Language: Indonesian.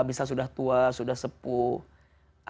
bisa sudah tua sudah sepuh